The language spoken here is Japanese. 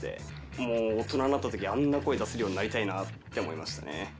もう大人になった時あんな声が出せるようになりたいなって思いましたね。